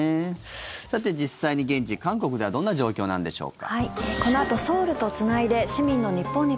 さて、実際に現地・韓国ではどんな状況なんでしょうか。